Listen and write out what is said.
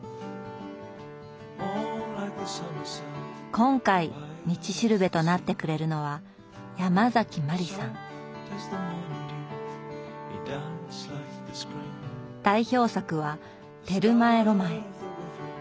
今回「道しるべ」となってくれるのは代表作は「テルマエ・ロマエ」。